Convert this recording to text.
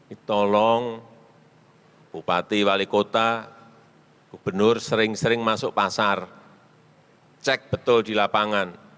ini tolong bupati wali kota gubernur sering sering masuk pasar cek betul di lapangan